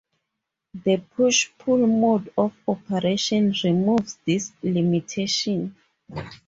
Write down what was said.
The push-pull mode of operation removes this limitation.